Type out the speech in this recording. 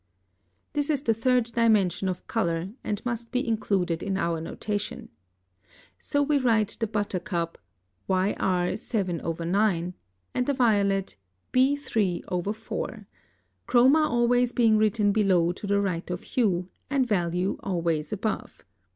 This is the third dimension of color, and must be included in our notation. So we write the buttercup YR 7/9 and the violet B 3/4, chroma always being written below to the right of hue, and value always above.